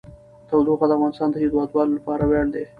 تودوخه د افغانستان د هیوادوالو لپاره ویاړ دی.